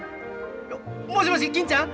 もしもし金ちゃん